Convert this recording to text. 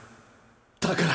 だから